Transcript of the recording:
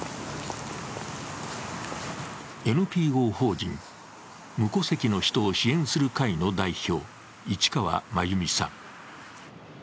ＮＰＯ法人無戸籍の人を支援する会の代表、市川真由美さん。